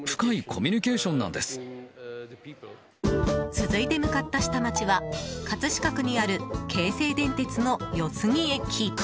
続いて向かった下町は葛飾区にある京成電鉄の四ツ木駅。